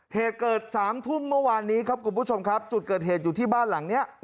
เหตุเกิดตอนสามธุมเมื่อวานสุดเกิดเหตุอยู่ที่บ้านหลังนี้